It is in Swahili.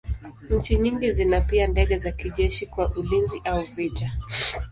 Nchi nyingi zina pia ndege za kijeshi kwa ulinzi au vita.